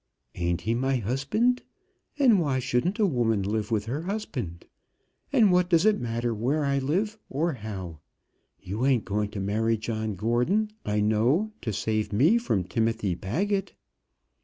"Ain't he my husband! Why shouldn't a woman live with her husband? And what does it matter where I live, or how. You ain't going to marry John Gordon, I know, to save me from Timothy Baggett!"